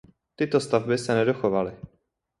Tyto stavby se nedochovaly.